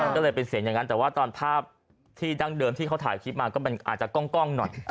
ก็เลยเป็นเสียงอย่างนั้นแต่ว่าตอนภาพที่ดั้งเดิมที่เขาถ่ายคลิปมาก็มันอาจจะกล้องหน่อย